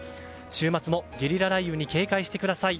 週末もゲリラ雷雨に警戒してください。